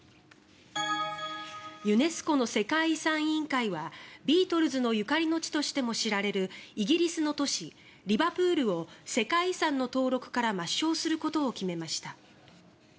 ユネスコの世界遺産委員会はビートルズのゆかりの地としても知られるイギリスの都市リバプールを世界遺産の登録から抹消することを決めました。